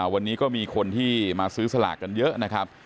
วันนี้ก็มีคนที่มาซื้อสลากกันเยอะนะครับ